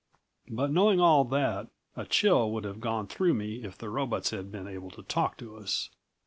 But knowing all that, a chill would have gone through me if the robots had been able to talk to us.